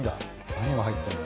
何が入ってるの？